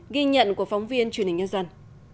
ghi nhận của phóng viên truyền hình nhân dân